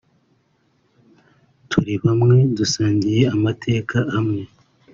turi bwamwe dusangiye amateka amwe »